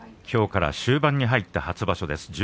きょうから終盤に入った初場所です。